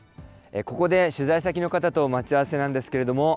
ここで取材先の方と待ち合わせなんですけれども。